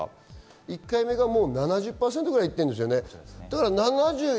１回目がもう７０％くらいいっているんですよね。